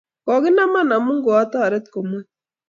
kokinaman omu ko otoret komwei